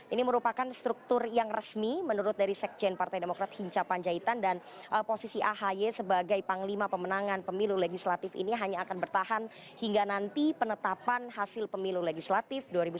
ini merupakan struktur yang resmi menurut dari sekjen partai demokrat hinca panjaitan dan posisi ahy sebagai panglima pemenangan pemilu legislatif ini hanya akan bertahan hingga nanti penetapan hasil pemilu legislatif dua ribu sembilan belas